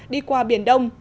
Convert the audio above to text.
đi qua biển đông